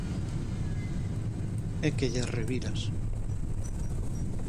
É que llas reviras.